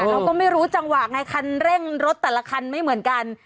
เราก็ไม่รู้จังหวะไงคันเร่งรถแต่ละคันไม่เหมือนกัน